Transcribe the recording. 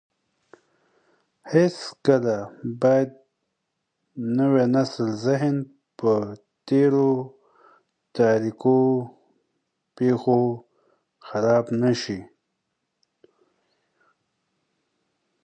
هيڅکله بايد د نوي نسل ذهن په تېرو تاريکو پېښو خراب نه سي.